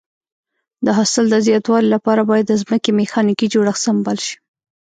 د حاصل د زیاتوالي لپاره باید د ځمکې میخانیکي جوړښت سمبال شي.